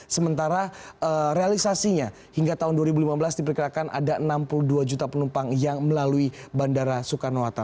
sementara realisasinya hingga tahun dua ribu lima belas diperkirakan ada enam puluh dua juta penumpang yang melalui bandara soekarno hatta